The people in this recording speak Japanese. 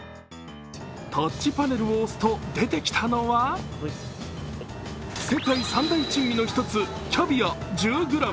タッチパネルを押すと出てきたのは世界３大珍味の一つ、キャビア１０ｇ。